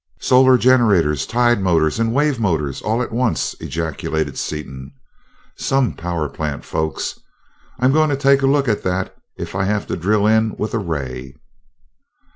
"Solar generators, tide motors, and wave motors, all at once!" ejaculated Seaton. "Some power plant! Folks, I'm going to take a look at that if I have to drill in with a ray!"